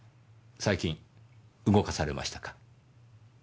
最近動かされましたか？